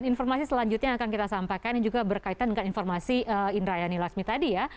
informasi selanjutnya yang akan kita sampaikan yang juga berkaitan dengan informasi indra yani laksmi tadi ya